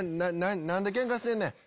何でケンカしてんねん？